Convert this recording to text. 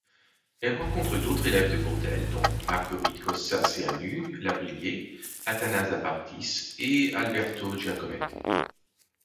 Elle rencontre d'autres élèves de Bourdelle dont Marguerite Cossacéanu-Lavrillier, Athanase Apartis, et Alberto Giacometti.